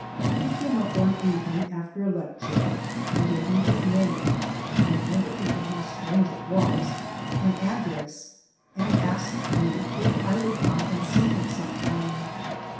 He came up one evening after a lecture, and gave me his name (I remember thinking how strange it was) and address ; and asked me if I would come and see him some time.